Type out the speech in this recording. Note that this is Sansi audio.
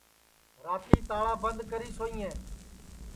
راتی تاݪا بند کری سوئیں